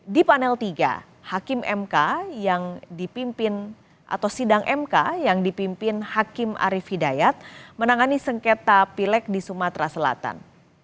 di panel tiga hakim mk yang dipimpin hakim arief hidayat menangani sengketa pilek di sumatera selatan